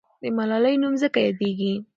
د ملالۍ نوم ځکه یاديږي.